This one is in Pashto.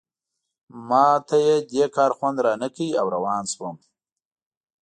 ما ته یې دې کار خوند رانه کړ او روان شوم.